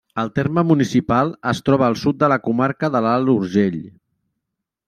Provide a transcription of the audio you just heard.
El terme municipal es troba al sud de la comarca de l'Alt Urgell.